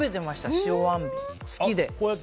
塩あんびん、好きで。